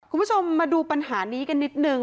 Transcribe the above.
คุณผู้ชมมาดูปัญหานี้กันนิดนึง